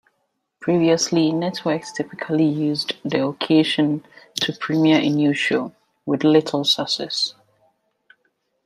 Previously, networks typically used the occasion to premiere a new show, with little success.